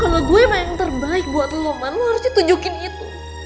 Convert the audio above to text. kalo gue emang yang terbaik buat lo man lo harus ditujukin itu